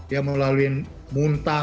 ya melalui muntah